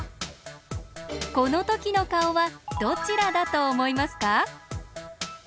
このときのかおはどちらだとおもいますか？